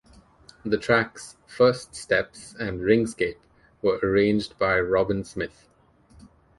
The tracks "First Steps" and "Ringscape" were arranged by Robyn Smith.